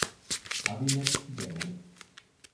އަވިނެޓް ދެމުން